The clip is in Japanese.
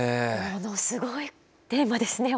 ものすごいテーマですね